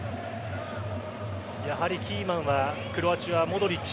やはりキーマンはクロアチアはモドリッチ。